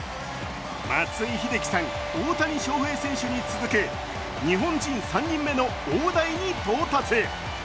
松井秀喜さん、大谷翔平選手に続く日本人３人目の大台に到達。